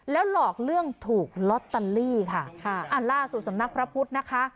หลอกเรื่องถูกลอตเตอรี่ค่ะค่ะอ่าล่าสุดสำนักพระพุทธนะคะ